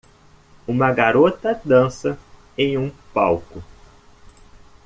Uma garota dança em um palco.